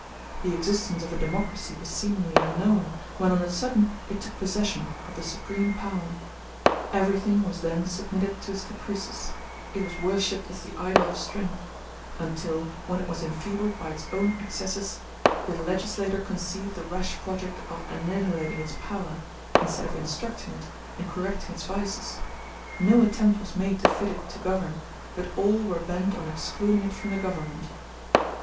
The existence of a democracy was seemingly unknown, when on a sudden it took possession of the supreme power. Everything was then submitted to its caprices; it was worshipped as the idol of strength; until, when it was enfeebled by its own excesses, the legislator conceived the rash project of annihilating its power, instead of instructing it and correcting its vices; no attempt was made to fit it to govern, but all were bent on excluding it from the government.